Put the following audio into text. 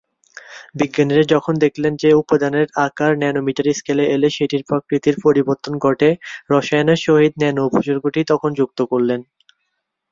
বিজ্ঞানীরা যখন দেখলেন যে উপাদানের আকার ন্যানোমিটার স্কেলে এলে সেটির প্রকৃতির পরিবর্তন ঘটে, রসায়ন এর সহিত ন্যানো-উপসর্গটি তখন যুক্ত করলেন।